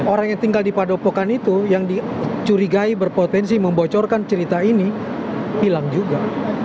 orang yang tinggal di padepokan itu yang dicurigai berpotensi membocorkan cerita ini hilang juga